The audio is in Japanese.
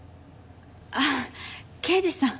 あっ刑事さん。